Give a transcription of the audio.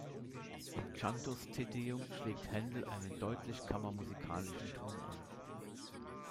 Im Chandos Te Deum schlägt Händel einen deutlich kammermusikalischen Ton an.